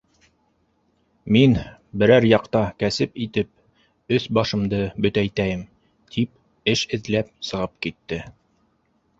Мин берәр яҡта кәсеп итеп, өҫ-башымды бөтәйтәйем, — тип эш эҙләп сығып китте.